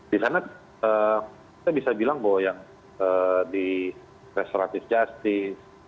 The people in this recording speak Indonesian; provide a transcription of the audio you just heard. di sana kita bisa bilang bahwa yang di restoratif justice